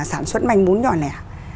sản xuất manh bún nhỏ lẻ